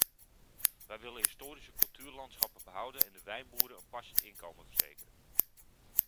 Wij willen historische cultuurlandschappen behouden en de wijnboeren een passend inkomen verzekeren.